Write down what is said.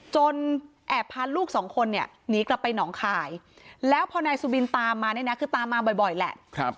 แอบพาลูกสองคนเนี่ยหนีกลับไปหนองคายแล้วพอนายสุบินตามมาเนี่ยนะคือตามมาบ่อยแหละ